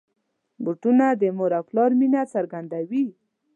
بوټونه د مور او پلار مینه څرګندوي.